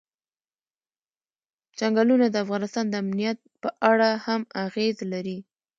چنګلونه د افغانستان د امنیت په اړه هم اغېز لري.